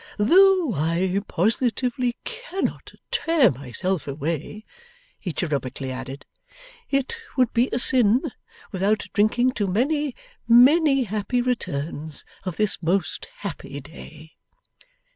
'Though I positively cannot tear myself away,' he cherubically added, ' it would be a sin without drinking to many, many happy returns of this most happy day.